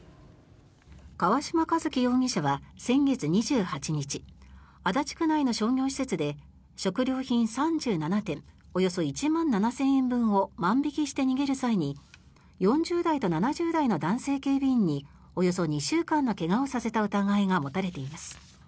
川嶋一輝容疑者は先月２８日足立区内の商業施設で食料品３７点およそ１万７０００円分を万引きして逃げる際に４０代と７０代の男性警備員におよそ２週間の怪我をさせた疑いが持たれています。